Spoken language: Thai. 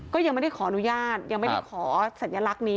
ก็ยังไม่ได้ขออนุญาตยังไม่ได้ขอสัญลักษณ์นี้